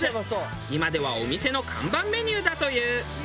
今ではお店の看板メニューだという。